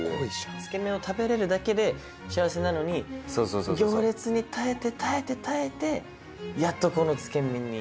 つけ麺を食べれるだけで幸せなのに行列に耐えて耐えて耐えてやっとこのつけ麺に。